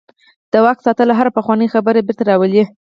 د واک ساتل هره پخوانۍ خبره بیرته راولي.